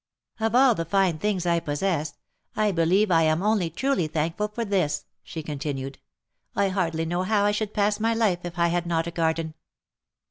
" Of all the fine things I possess, I believe I am only truly thankful for this," she continued, I hardly know how I should pass my life if I had not a garden."